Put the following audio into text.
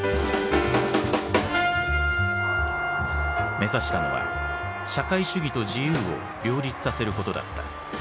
目指したのは社会主義と自由を両立させることだった。